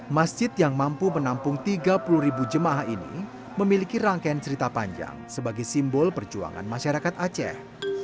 masjid yang mampu menampung tiga puluh jemaah ini memiliki rangkaian cerita panjang sebagai simbol perjuangan masyarakat aceh